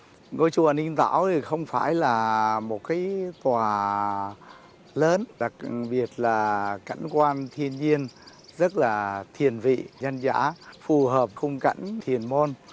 ngôi chùa ninh tảo không phải là một tòa lớn đặc biệt là cảnh quan thiên nhiên rất là thiền vị nhân giả phù hợp khung cảnh thiền môn